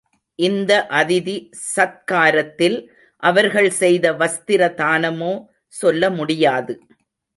இந்த அதிதி சத்காரத்தில் அவர்கள் செய்த வஸ்திர தானமோ சொல்ல முடியாது.